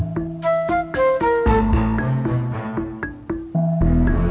di pasar ada yang kecopetan